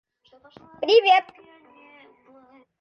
Scattered stands of greater woodrush ("Luzula sylvatica") is found on the steeper slopes.